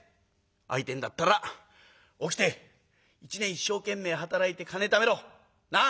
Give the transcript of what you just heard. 「会いてえんだったら起きて一年一生懸命働いて金ためろ。なあ？